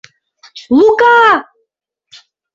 Лука!